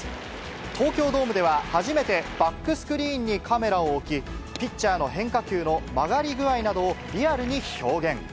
東京ドームでは初めてバックスクリーンにカメラを置き、ピッチャーの変化球の曲がり具合などをリアルに表現。